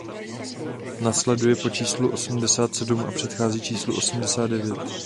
Následuje po číslu osmdesát sedm a předchází číslu osmdesát devět.